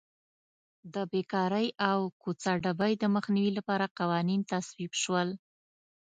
د بېکارۍ او کوڅه ډبۍ د مخنیوي لپاره قوانین تصویب شول.